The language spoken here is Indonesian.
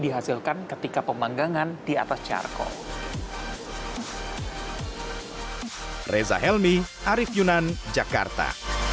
dihasilkan ketika pemanggangan di atas carko reza helmi arief yunan jakarta